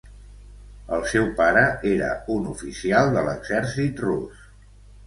El seu pare era un oficial de l'exèrcit rus.